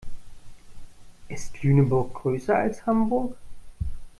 Ist Lüneburg größer als Hamburg?